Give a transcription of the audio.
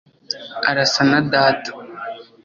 arasa na data